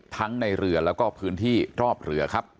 ทั้งในเรือแล้วก็พื้นที่รอบเรือครับ